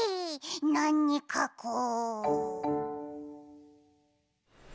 なにかこう？